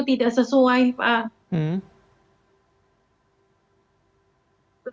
tidak sesuai pak